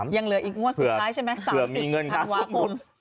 ยังเหลืออีกงวดสุดท้ายใช่ไหม๓๐ธันวาคมเออเผื่อมีเงินครับ